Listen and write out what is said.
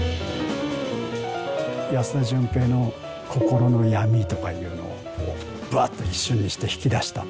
安田純平の心の闇とかいうのをこうぶわっと一瞬にして引き出した。